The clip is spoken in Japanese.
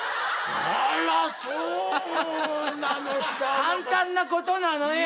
簡単なことなのよ。